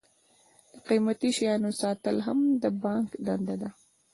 د قیمتي شیانو ساتل هم د بانک دنده ده.